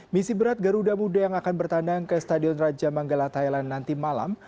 misi berat garuda muda yang akan bertandang ke stadion raja manggala thailand nanti malam